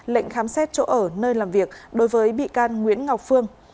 lệnh khám xét chỗ ở nơi làm việc đối với bị can nguyễn ngọc phương